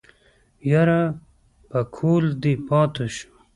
يره پکول دې پاتې شو.